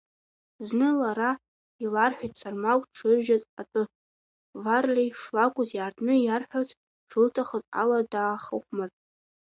Зны лара иларҳәеит Сармақә дшыржьаз атәы, Варлеи шлакәыз иаартны иарҳәарц шылҭахыз ала даахыхәмарт.